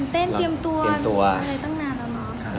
ตื่นเต้นอร่อยได้ตั้งนานแหละอ้อน